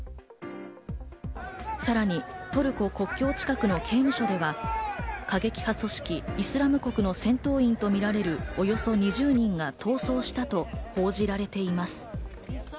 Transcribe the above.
さらにトルコ国境近くの刑務所では、過激派組織「イスラム国」の戦闘員とみられる、およそ２０人が逃走したと報じられています。